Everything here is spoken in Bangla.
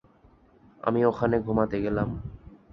আমি ওখানে ঘুমাতে গেলাম।